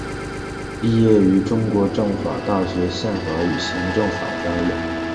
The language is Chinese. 毕业于中国政法大学宪法与行政法专业。